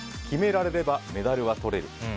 決められればメダルはとれる。